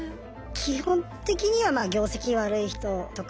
基本的にはまあ業績悪い人とか。